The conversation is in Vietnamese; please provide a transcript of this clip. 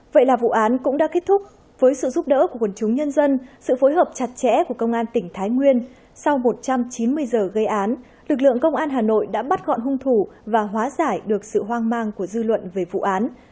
vậy là vụ án cũng đã kết thúc với sự giúp đỡ của quần chúng nhân dân sự phối hợp chặt chẽ của công an tỉnh thái nguyên sau một trăm chín mươi giờ gây án lực lượng công an hà nội đã bắt gọn hung thủ và hóa giải được sự hoang mang của dư luận về vụ án